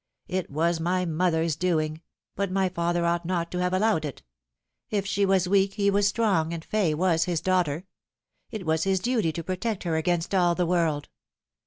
It was my mother's doing ; but my father ought not to have allowed it. If she was weak he was strong, and Fay was his daughter. It was bis duty to protect her against all the world.